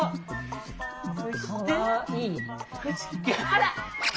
あら！